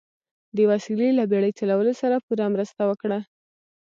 دې وسیلې له بیړۍ چلولو سره پوره مرسته وکړه.